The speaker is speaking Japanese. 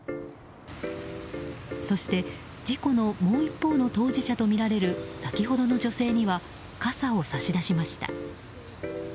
そして、事故のもう一方の当事者とみられる先ほどの女性には傘を差し出しました。